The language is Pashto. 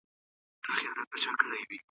مالداري کلیوال اقتصاد پیاوړی کوي.